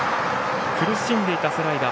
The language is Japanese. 苦しんでいたスライダー。